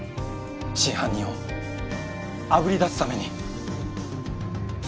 真犯人をあぶり出すために。